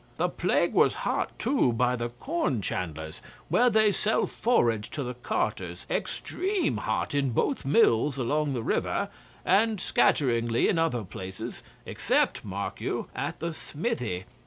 The plague was hot too by the corn chandler's, where they sell forage to the carters, extreme hot in both Mills, along the river, and scatteringly in other places, except, mark you, at the smithy.